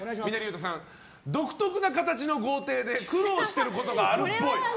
独特な形の豪邸で苦労していることがあるっぽい。